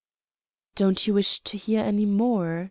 "Don't you wish to hear any more?"